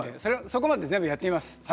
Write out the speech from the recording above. そこまで全部やってみます。